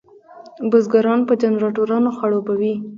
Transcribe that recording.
بزګران په جنراټورانو خړوبوي.